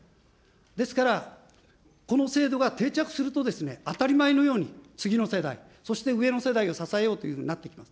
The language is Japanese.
ですから、この制度が定着すると、当たり前のように次の世代、そして上の世代が支えようというふうになってきます。